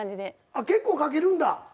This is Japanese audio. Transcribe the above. あっ結構かけるんだ。